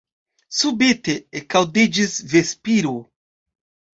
Subite ekaŭdiĝis vespiro.